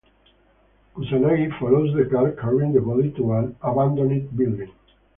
Kusanagi follows the car carrying the body to an abandoned building.